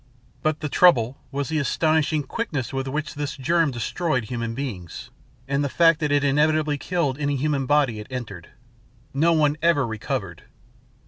But the trouble was the astonishing quickness with which this germ destroyed human beings, and the fact that it inevitably killed any human body it entered. No one ever recovered.